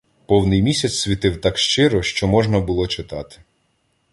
Повний місяць світив так щиро, що можна було читати.